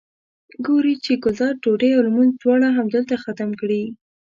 ګوري چې ګلداد ډوډۍ او لمونځ دواړه همدلته ختم کړي.